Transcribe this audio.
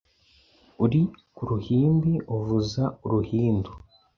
Uri ku ruhimbi, uvuza uruhindu…